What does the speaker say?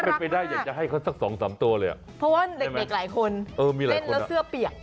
เป็นไปได้อยากจะให้เขาสักสองสามตัวเลยอ่ะเพราะว่าเด็กเด็กหลายคนเล่นแล้วเสื้อเปียก